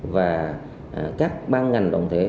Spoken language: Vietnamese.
và các ban ngành động thể